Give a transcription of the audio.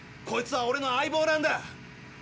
こいつはオレの相棒なんだ！